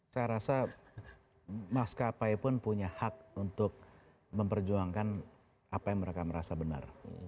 saya rasa maskapai pun punya hak untuk memperjuangkan apa yang mereka merasa benar